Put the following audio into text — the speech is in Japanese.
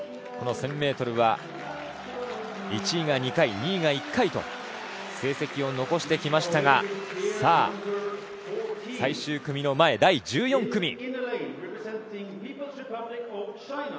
この１０００ｍは１位が２回、２位が１回と成績を残してきましたが最終組の前、第１４組。